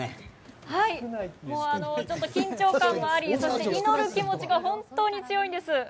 ちょっと緊張感もありそして、祈る気持ちが本当に強いんです。